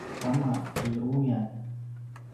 kama i uyan